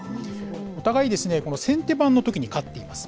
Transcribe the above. お互い、先手番のときに勝っています。